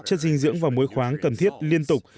chất dinh dưỡng và mối khoáng cần thiết liên tục